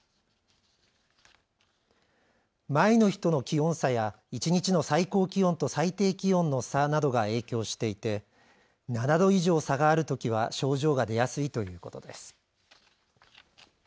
前の日との気温差や一日の最高気温と最低気温の差などが影響していて７度以上差があるときは症状が出やすいということです。